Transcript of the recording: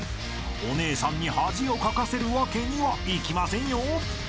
［お姉さんに恥をかかせるわけにはいきませんよ］